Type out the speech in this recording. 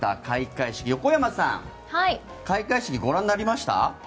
開会式、横山さんご覧になりました？